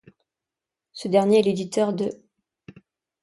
Ce dernier est l'éditeur de '.